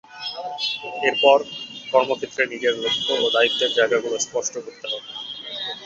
এর পর কর্মক্ষেত্রে নিজের লক্ষ্য ও দায়িত্বের জায়গাগুলো স্পষ্ট করতে হবে।